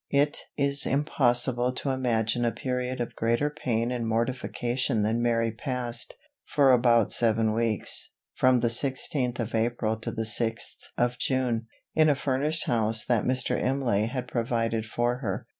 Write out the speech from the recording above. It is impossible to imagine a period of greater pain and mortification than Mary passed, for about seven weeks, from the sixteenth of April to the sixth of June, in a furnished house that Mr. Imlay had provided for her.